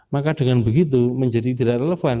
maka dengan begitu menjadi tidak relevan